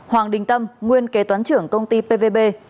hoàng đình tâm nguyên kế toán trưởng công ty pvb